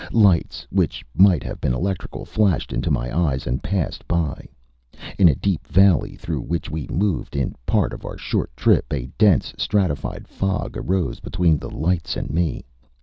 Lights, which might have been electrical, flashed into my eyes and passed by. In a deep valley through which we moved in part of our short trip, a dense, stratified fog arose between the lights and me.